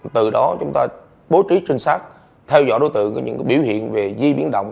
từ đó chúng ta bố trí trinh sát theo dõi đối tượng những biểu hiện về di biến động